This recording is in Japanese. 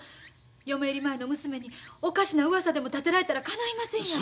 嫁入り前の娘におかしなうわさでも立てられたらかないませんやろ。